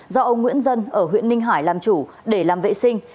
do ông nguyễn dân ở huyện ninh hải làm chủ để làm vệ sinh